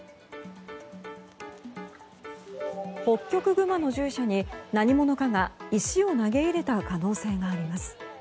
ホッキョクグマの獣舎に何者かが石を投げ入れた可能性があります。